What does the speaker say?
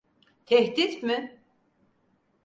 Tehdit mi?